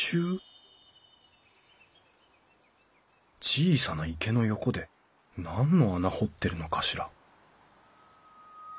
小さな池の横で何の穴掘ってるのかしら？